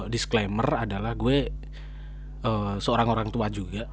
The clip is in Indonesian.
disclaimer adalah gue seorang orang tua juga